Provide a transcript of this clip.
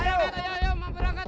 dan hidup memperangkat